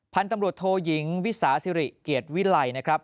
พันธุ์ตำรวจโทยิงวิสาสิริเกียรติวิลัยนะครับ